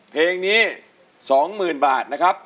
เพลงนี้๒๐๐๐บาทนะครับ